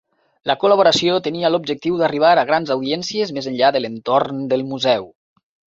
La col·laboració tenia l'objectiu d'arribar a grans audiències més enllà de l'entorn del museu.